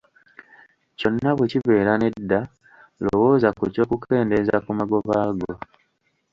Kyonna bwe kibeera nedda, lowooza ku ky’okukendeeza ku magoba go.